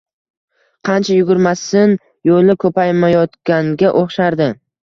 Qancha yugurmasin, yo‘li ko‘paymayotganga o‘xshardi.